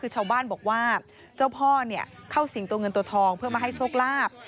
คือชาวบ้านบอกว่าเจ้าพ่อเข้าสิ่งตัวเงินตัวทองเพื่อมาให้โชคลาภ